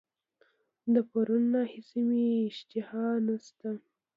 د پرون راهیسي مي اشتها نسته.